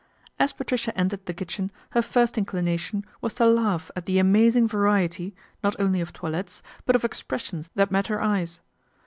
As Patricia entered the kitchen her first inclina tion was to laugh at the amazing variety, not only Df toilettes, but of expressions that met her eyes.